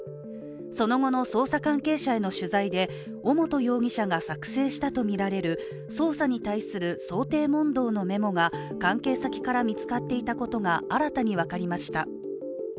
その後の捜査関係者への取材で尾本容疑者が作成したとみられる捜査に対する想定問答のメモが関係先から見つかっていたことが新たに分かりました。